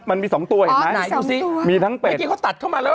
เมื่อกี้เขาตัดเข้ามาแล้ว